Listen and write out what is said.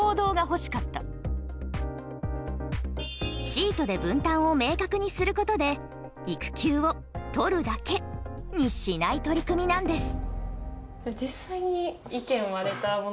シートで分担を明確にすることで育休をとるだけにしない取り組みなんです。